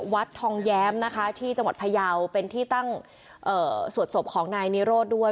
วัดทองแย้มนะคะที่จังหวัดพยาวเป็นที่ตั้งสวดศพของนายนิโรธด้วย